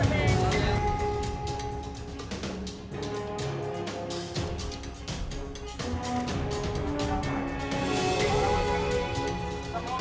barang juga ganti